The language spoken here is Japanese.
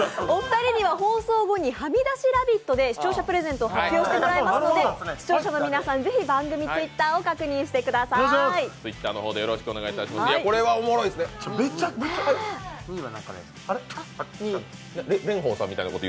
お二人には放送後、「はみだしラヴィット！」で視聴者もプレゼントを発表してもらいますので、視聴者の皆さん、ぜひ番組Ｔｗｉｔｔｅｒを確認してください。